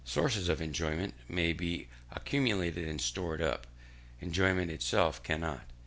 Sources of enjoyment may be accumulated and stored up; enjoyment itself cannot.